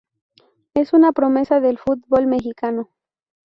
Es una promesa del fútbol mexicano.